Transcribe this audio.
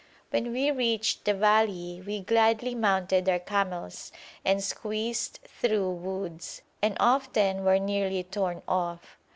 When we reached the valley we gladly mounted our camels, and squeezed through woods, and often were nearly torn off.